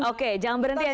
oke jangan berhenti